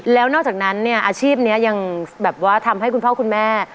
แล้วนอกจากนั้นเนี่ยอาชีพนี้ยังแบบว่าทำให้คุณพ่อคุณแม่